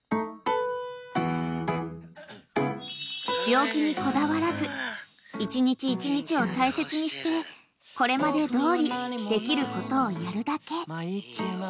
［病気にこだわらず一日一日を大切にしてこれまでどおりできることをやるだけ］